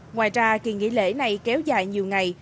ngoài ra kỳ nghỉ lễ này kéo dài nhiều ngày